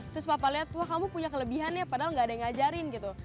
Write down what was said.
terus papa lihat wah kamu punya kelebihan ya padahal gak ada yang ngajarin gitu